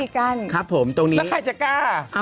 แล้วใครจะกล้า